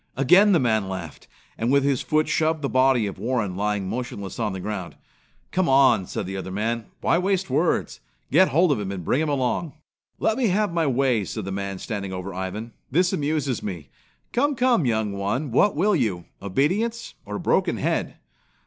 Again the man laughed, and with his foot shoved the body of Warren lying motionless on the ground. "Come on," said the other man. "Why waste words? Get hold of him and bring him along!" "Let me have my way," said the man standing over Ivan. "This amuses me. Come, come, young one, what will you obedience or a broken head?"